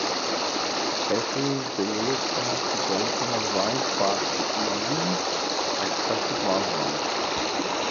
A few believed that the date was right but the event expected was wrong.